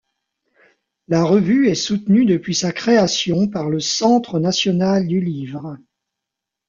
La revue est soutenue depuis sa création par le Centre national du livre.